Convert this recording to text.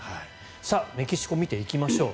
メキシコ見ていきましょう。